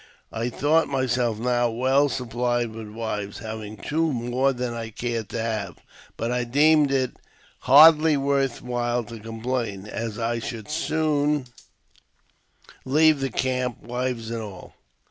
I thought myself now well sup plied with wives, having hvo more than I cared to have ; but I deemed it hardly worth while to complain, as I should soon leave the camp, wives and all.